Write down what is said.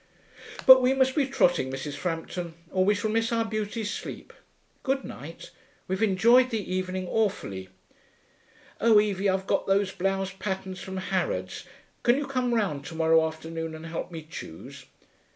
But we must be trotting, Mrs. Frampton, or we shall miss our beauty sleep. Good night; we've enjoyed the evening awfully. Oh, Evie, I've got those blouse patterns from Harrod's; can you come round to morrow afternoon and help me choose?